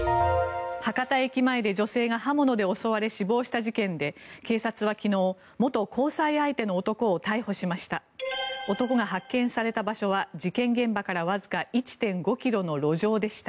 博多駅前で女性が刃物で襲われ死亡した事件で警察は昨日、元交際相手の男を逮捕しました。